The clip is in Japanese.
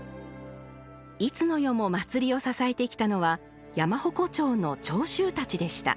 いつの世も祭りを支えてきたのは山鉾町の町衆たちでした。